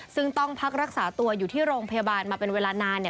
ซึ่งต้องพักรักษาตัวอยู่ที่โรงพยาบาลมาเป็นเวลานาน